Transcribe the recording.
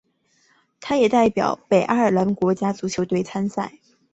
他也代表北爱尔兰国家足球队参赛。